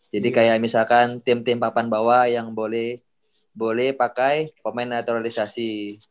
jadi kayak misalkan tim tim papan bawah yang boleh pakai pemain naturalisasi